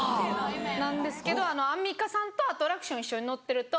なんですけどアンミカさんとアトラクション一緒に乗ってると。